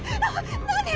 何！？